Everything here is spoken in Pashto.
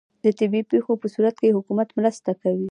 د طبیعي پیښو په صورت کې حکومت مرسته کوي؟